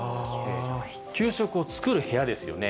給食を作る部屋ですよね。